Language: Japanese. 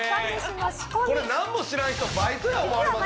これなんも知らん人バイトや思われますよ。